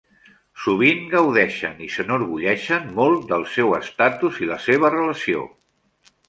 Sovint gaudeixen i s'enorgulleixen molt del seu estatus i la seva relació.